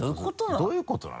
どういうことなの？